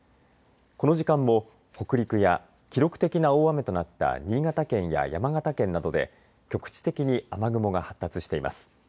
この時間も北陸や記録的な大雨となった新潟県、山形県などで局地的に雨雲が発達しています。